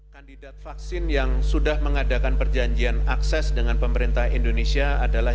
kandidat vaksin yang sudah mengadakan perjanjian akses dengan pemerintah indonesia adalah